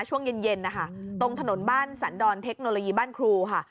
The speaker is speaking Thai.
ช่วงเย็นนะคะตรงถนนบ้านสันดรเทคโนโลยีบ้านครูค่ะ